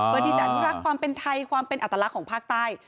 เพื่อที่จะอนุรักษ์ความเป็นไทยความเป็นอัตลักษณ์ของภาคใต้